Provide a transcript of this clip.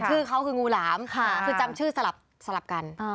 ชื่อเขาคืองูหลามคือจำชื่อสลับกัน